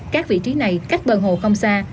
các vị trí này cách bờ hồ không xa